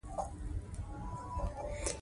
سمبوټه